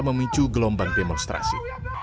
memicu gelombang demonstrasi